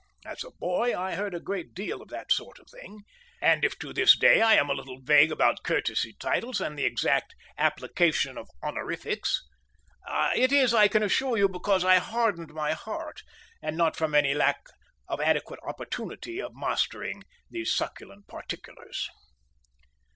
As a boy, I heard a great deal of that sort of thing, and if to this day I am still a little vague about courtesy titles and the exact application of honorifics, it is, I can assure you, because I hardened my heart, and not from any lack of adequate opportunity of mastering these succulent particulars.